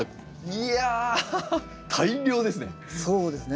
いや大量ですね。